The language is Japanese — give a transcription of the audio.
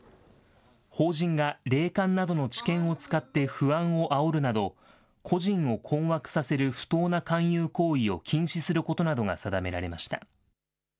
法人が霊感などの知見を使って不安をあおるなど個人を困惑させる不当な勧誘行為を禁止することなどが定められました。